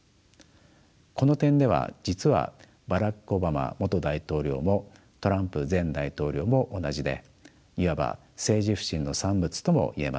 この点では実はバラク・オバマ元大統領もトランプ前大統領も同じでいわば政治不信の産物ともいえます。